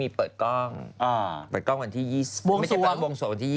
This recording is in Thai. ก็เป็นเจ้าของบาร์เป็นผู้หญิงสิ